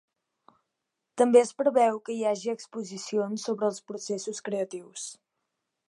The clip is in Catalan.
També es preveu que hi hagi exposicions sobre els processos creatius.